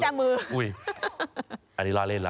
ตบวจผู้ชายนะ